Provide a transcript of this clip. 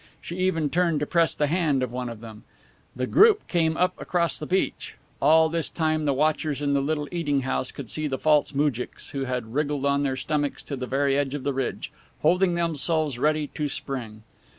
She even turned to press the hand of one of them. The group came up across the beach. All this time the watchers in the little eating house could see the false moujiks, who had wriggled on their stomachs to the very edge of the ridge, holding themselves ready to spring.